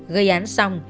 gây án xong